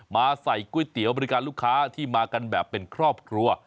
มาใส่ก๋วยเตี๋ยวบริการลูกค้าที่มากันแบบเป็นครอบครัว